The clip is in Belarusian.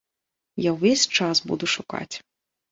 Я ўвесь час буду шукаць.